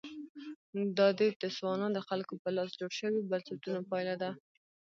دا د تسوانا د خلکو په لاس جوړ شویو بنسټونو پایله ده.